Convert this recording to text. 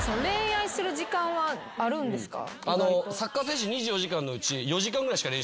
サッカー選手２４時間のうち。